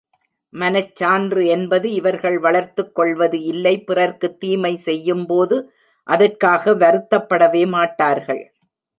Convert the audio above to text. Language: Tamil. மனச்சான்று என்பது இவர்கள் வளர்த்துக்கொள்வது இல்லை பிறர்க்குத் தீமை செய்யும்போது அதற்காக வருத்தப்படவே மாட்டார்கள்.